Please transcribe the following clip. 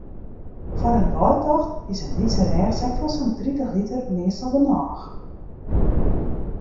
Foar in deitocht is in lytse rêchsek fan sa'n tritich liter meastal genôch.